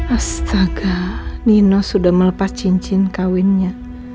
astaga nino sudah melepas cincin kawinnya